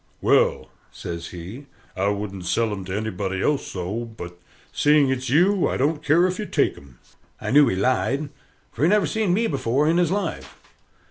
"Well," says he, "I wouldn't sell 'em to anybody else so, but, seeing it's you, I don't care if you take 'em." I knew he lied, for he never seen me before in his life.